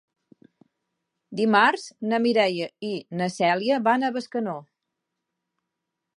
Dimarts na Mireia i na Cèlia van a Bescanó.